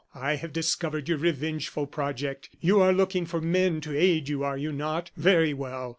I have discovered your revengeful project. You are looking for men to aid you, are you not? Very well!